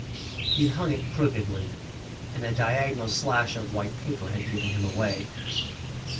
He'd hung it crookedly, and a diagonal slash of white wallpaper had given him away.